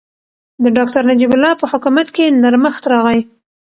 د ډاکټر نجیب الله په حکومت کې نرمښت راغی.